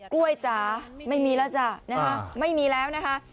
กล้วยจ๋าไม่มีแล้วจ๋่าไม่มีแล้วนะฮะ